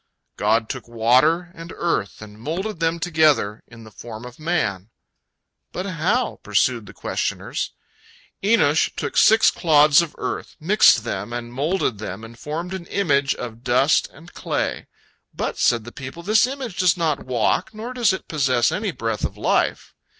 "—"God took water and earth, and moulded them together in the form of man."—"But how?" pursued the questioners. Enosh took six clods of earth, mixed them, and moulded them, and formed an image of dust and clay. "But," said the people, "this image does not walk, nor does it possess any breath of life."